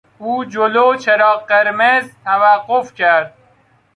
او جلو چراغ قرمز توقف کرد.